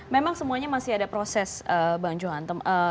memang semuanya masih ada proses bang johan